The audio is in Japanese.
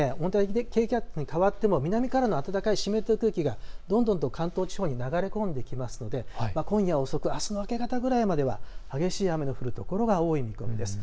低気圧に変わっても南の暖かい湿った空気がどんどん関東地方に流れ込んできますので今夜遅く、あすの明け方ぐらいまでは激しい雨の降る所が多い見込みです。